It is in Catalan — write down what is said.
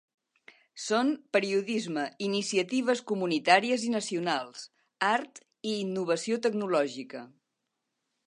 Són periodisme, iniciatives comunitàries i nacionals, art i innovació tecnològica.